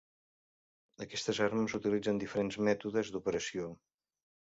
Aquestes armes utilitzen diferents mètodes d'operació.